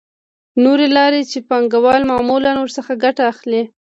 نورې لارې چې پانګوال معمولاً ورڅخه ګټه اخلي